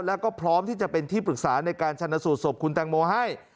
แล้วก็พร้อมที่จะเป็นที่ปรึกษาในการชนสูตรศพคุณแตงโมให้